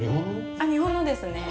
あっ日本のですね。